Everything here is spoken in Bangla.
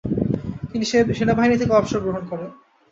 তিনি সেনাবাহিনী থেকে অবসর গ্রহণ করেন।